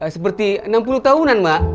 seperti enam puluh tahunan mbak